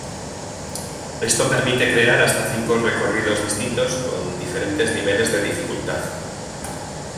Esto permite crear hasta cinco recorridos distintos con diferentes niveles de dificultad.